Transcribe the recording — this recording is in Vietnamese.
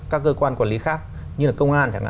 các cơ quan quản lý khác như là công an